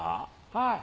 はい。